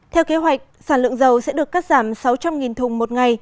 theo kế hoạch sản lượng dầu sẽ được cắt giảm sáu trăm linh thùng một ngày